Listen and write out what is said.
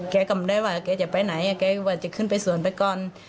แกอดูว่าแกจะไปไหนว่าจะขึ้นไปสวนก่อน